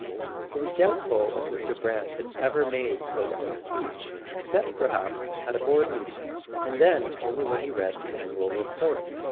It was doubtful if Mr. Brant had ever before made so long a speech, except perhaps at a board meeting; and then only when he read the annual report.